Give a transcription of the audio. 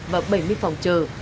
và bảy mươi phòng chờ